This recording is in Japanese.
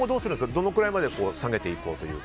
どのくらいまで下げていこうというか。